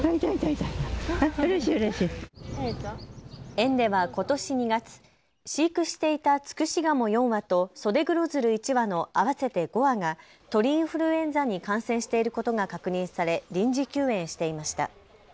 園ではことし２月、飼育していたツクシガモ４羽とソデグロヅル１羽の合わせて５羽が鳥インフルエンザに感染していることが確認され臨時休園していました。